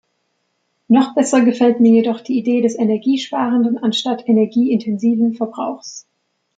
Noch besser gefällt mir jedoch die Idee des energiesparenden anstatt energieintensiven Verbrauchs.